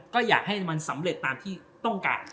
ก็อยากให้มันสำเร็จตามที่ต้องการ